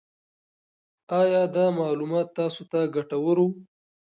آیا دا معلومات تاسو ته ګټور وو؟